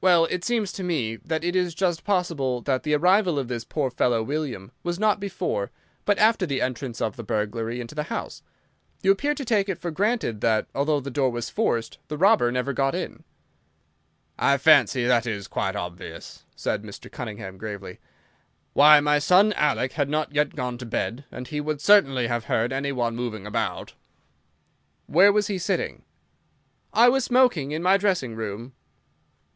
"Well, it seems to me that it is just possible that the arrival of this poor fellow William was not before, but after, the entrance of the burglar into the house. You appear to take it for granted that, although the door was forced, the robber never got in." "I fancy that is quite obvious," said Mr. Cunningham, gravely. "Why, my son Alec had not yet gone to bed, and he would certainly have heard any one moving about." "Where was he sitting?" "I was smoking in my dressing room."